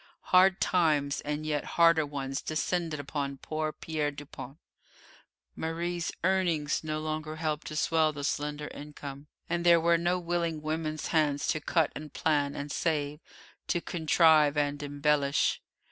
Hard times and yet harder ones descended upon poor Pierre Dupont. Marie's earnings no longer helped to swell the slender income, and there were no willing woman's hands to cut and plan and save, to contrive and embellish.